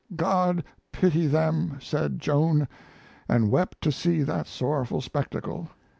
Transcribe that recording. "God pity them!" said Joan, and wept to see that sorrowful spectacle.